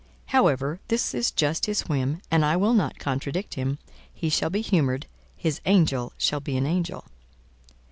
However, this is just his whim, and I will not contradict him; he shall be humoured: his angel shall be an angel.